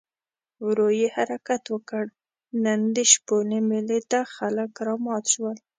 ورو یې حرکت وکړ، نن د شپولې مېلې ته خلک رامات شول.